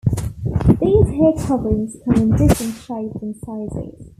These hair coverings come in different shapes and sizes.